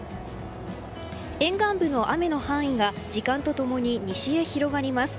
沿岸部の雨の範囲が時間と共に西へ広がります。